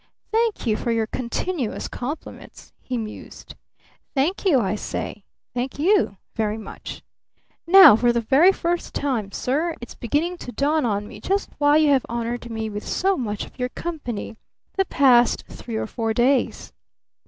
"Thank you for your continuous compliments," he mused. "Thank you, I say. Thank you very much. Now for the very first time, sir, it's beginning to dawn on me just why you have honored me with so much of your company the past three or four days.